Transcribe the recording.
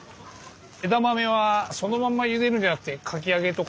枝豆はそのまんまゆでるんじゃなくてかき揚げとかにして。